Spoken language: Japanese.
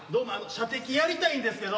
射的やりたいんですけど。